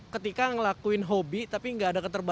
ketika ngelakuin hobi tapi gak ada keterbatasan